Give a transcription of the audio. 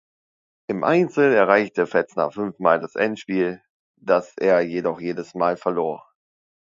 Im Einzel erreichte Fetzner fünfmal das Endspiel, das er jedoch jedes Mal verlor.